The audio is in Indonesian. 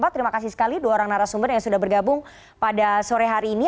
terima kasih sekali dua orang narasumber yang sudah bergabung pada sore hari ini